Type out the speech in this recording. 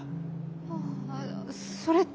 はあそれって。